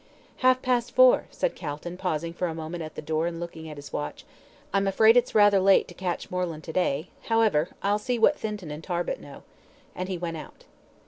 "Half past four," said Calton, pausing for a moment at the door and looking at his watch. "I'm afraid it's rather late to catch Moreland to day; however, I'll see what Thinton and Tarbit know," and he went out.